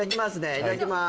いただきまーす